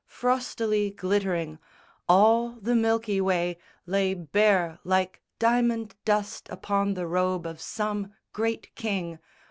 Frostily glittering, all the Milky Way Lay bare like diamond dust upon the robe Of some great king.